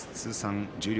十両